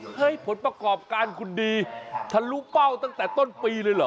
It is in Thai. ผลประกอบการคุณดีทะลุเป้าตั้งแต่ต้นปีเลยเหรอ